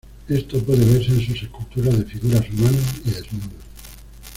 Esto puede verse en sus esculturas de figuras humanas y desnudos.